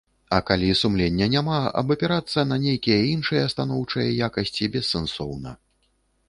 А калі сумлення няма, абапірацца на нейкія іншыя станоўчыя якасці бессэнсоўна.